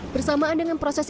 bersamaan dengan proses